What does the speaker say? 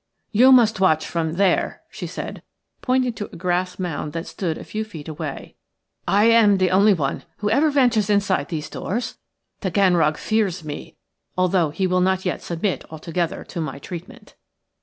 "You must watch from there," she said, pointing to a grass mound that stood a few feet away. "I am the only one who ever ventures inside those doors. Taganrog fears me, although he will not as yet submit altogether to my treatment."